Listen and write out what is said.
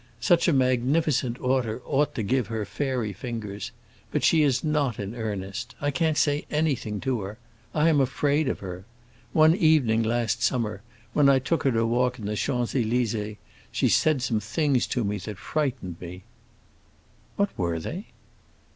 Such a magnificent order ought to give her fairy fingers. But she is not in earnest. I can't say anything to her; I am afraid of her. One evening, last summer, when I took her to walk in the Champs Élysées, she said some things to me that frightened me." "What were they?"